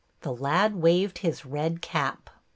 The lad waved his red cap.